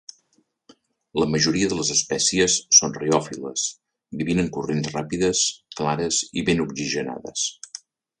La majoria de les espècies són reòfiles, vivint en corrents ràpides, clares i ben oxigenades.